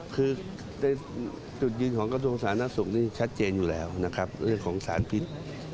คือจุดยืนของกระทรวงสาธารณสุขนี่ชัดเจนอยู่แล้วนะครับเรื่องของสารพิษ